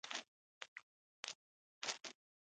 له یوه بله بې خبري یې علت باله.